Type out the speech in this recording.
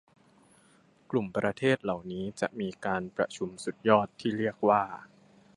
กลุ่มประเทศเหล่านี้จะมีการประชุมสุดยอดที่เรียกว่า